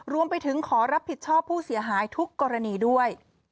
รวมไปถึงขอรับผิดชอบผู้เสียหายทุกกรณีด้วย